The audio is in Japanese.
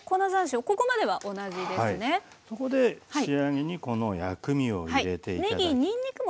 そこで仕上げにこの薬味を入れて頂く。